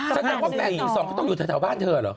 แสดงว่า๘๑๒ก็ต้องอยู่แถวบ้านเธอเหรอ